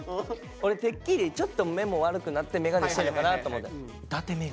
俺てっきりちょっと目も悪くなってメガネしてんのかなと思って。